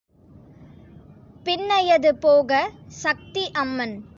பின்னையது போக சக்தி அம்மன்.